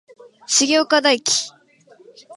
重岡大毅